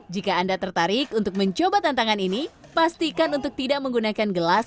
jika anda tertarik untuk mencoba tantangan ini pastikan untuk tidak menggunakan gelas